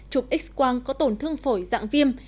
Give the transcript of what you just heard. trục x quang có tổn thương phổi dạng viêm